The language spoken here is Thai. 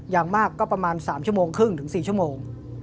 อย่างมากก็ประมาณ๓ชั่วโมงครึ่งถึง๔ชั่วโมง